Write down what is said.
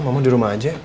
mama di rumah aja